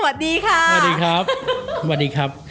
สวัสดีค่ะสวัสดีครับสวัสดีครับ